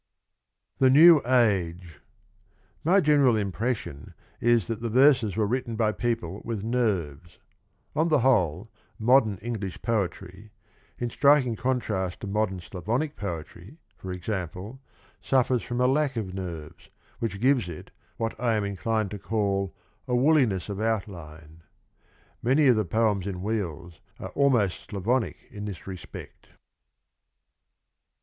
THE NEW AGE. My general impression is that the verses were written by people with nerves. ... On the whole, modern English poetry, in striking contrast to modern Slavonic poetry, for example, suffers from a lack of nerves, which gives it what I am inclined to call a ' woolliness' of outline. ... Many of the poems in ' Wheels ' are almost Slavonic in this respect.